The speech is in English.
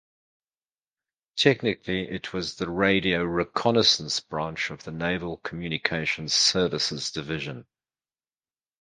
Technically it was the Radio Reconnaissance Branch of the Naval Communications Services Division.